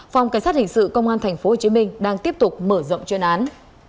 phòng cảnh sát hình sự công an tp hcm đang tiếp tục mở rộng chuyên án